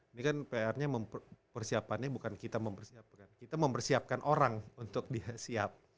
ini kan pr nya persiapannya bukan kita mempersiapkan kita mempersiapkan orang untuk siap